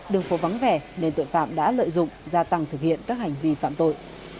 đường phố vắng vẻ nên tội phạm đã lợi dụng gia tăng thực hiện các hành vi phạm tội